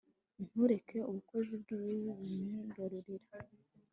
ntureke ubukozi bw'ibibi bunyigarurira